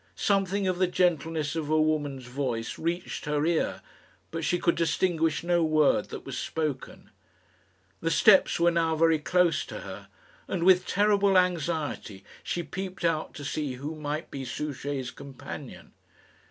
Something of the gentleness of a woman's voice reached her ear, but she could distinguish no word that was spoken. The steps were now very close to her, and with terrible anxiety she peeped out to see who might be Souchey's companion.